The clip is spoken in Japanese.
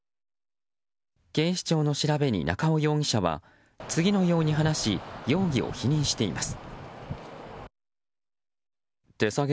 警視庁の調べに中尾容疑者は次のように話し容疑を否認しています。